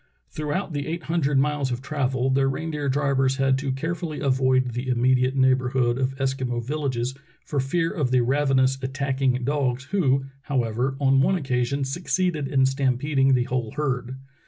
Throughout the eight hundred miles of travel the reindeer drivers had to carefully avoid the immediate neighborhood of Eskimo villages for fear of the ravenous, attacking dogs, who, however, on one occasion succeeded in stampeding the whole herd.